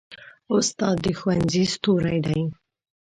استاد د ښوونځي ستوری دی.